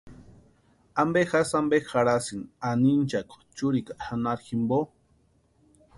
¿Ampe jasï ampe jarhasïni anhinchakwa churikwa xanharu jimpo?